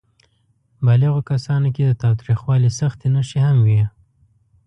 بالغو کسانو کې د تاوتریخوالي سختې نښې هم وې.